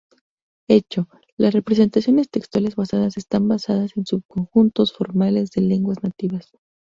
Hecho-las representaciones textuales basadas están basadas en subconjuntos formales de lenguas nativas.